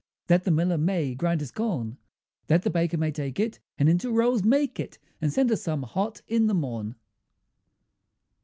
That the miller may grind his corn; That the baker may take it and into rolls make it, And send us some hot in the morn.